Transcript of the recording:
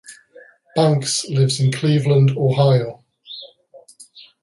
Banks lives in Cleveland, Ohio.